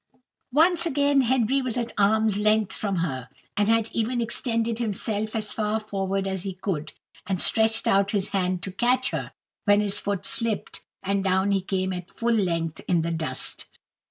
Once again Henry was at arm's length from her, and had even extended himself as far forward as he could, and stretched out his hand to catch her, when his foot slipped, and down he came at full length in the dust.